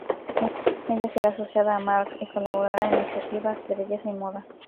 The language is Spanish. Ella será asociada a "mark" y colaborará en iniciativas de belleza y moda.